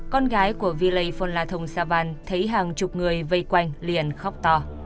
con gái của villei phonla thong savan thấy hàng chục người vây quanh liền khóc to